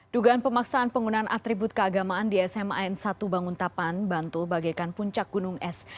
dugaan pemaksaan penggunaan atribut keagamaan di sma n satu banguntapan bantul bagaikan puncak gunung es